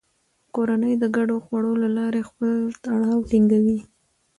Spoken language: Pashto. کورنۍ د ګډو خوړو له لارې خپل تړاو ټینګوي